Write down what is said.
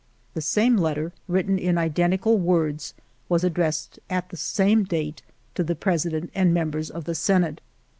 The same letter, written in identical words, was addressed at the same date to the President and members of the Senate.